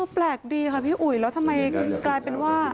แปลกดีค่ะพี่อุ๋ยแล้วทำไมกลายเป็นว่า